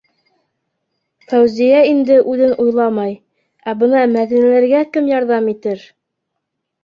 Фәүзиә инде үҙен уйламай, ә бына Мәҙинәләргә кем ярҙам итер?